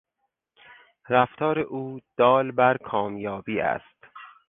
رفتار او دال بر کامیابی است.